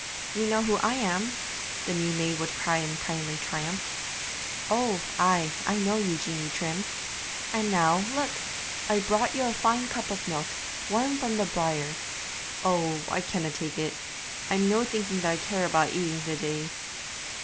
'Ye know who I am?' the new maid would cry in kindly triumph. 'Oh, ay, I know you, Jeanie Trim.' 'And now, look, I brought you a fine cup of milk, warm from the byre.' 'Oh, I canna tak' it; I'm no thinking that I care about eating the day.'